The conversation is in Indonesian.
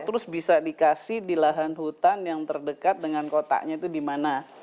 terus bisa dikasih di lahan hutan yang terdekat dengan kotanya itu di mana